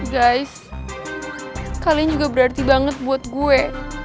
guys kalian juga berarti banget buat gue